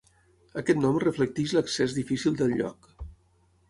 Aquest nom reflecteix l'accés difícil del lloc.